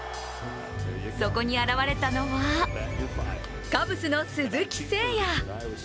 そこに現れたのはカブスの鈴木誠也。